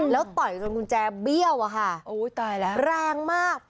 แล้วต่อยจนกุญแจเบี้ยวอะค่ะแรงมาก